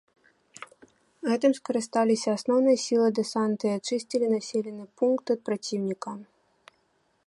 Гэтым скарысталіся асноўныя сілы дэсанта і ачысцілі населены пункт ад праціўніка.